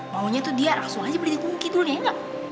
maunya tuh dia langsung aja beli di gunung kidul ya nggak